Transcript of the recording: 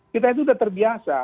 kita itu sudah terbiasa